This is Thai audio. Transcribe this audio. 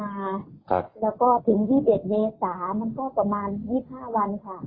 ารับรองแท้สัดตัดตั้งเท่า๒๖๒๗เยษาประมาณ๒๕วัน